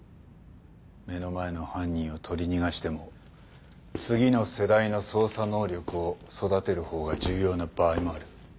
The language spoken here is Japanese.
目の前の犯人を取り逃がしても次の世代の捜査能力を育てる方が重要な場合もある。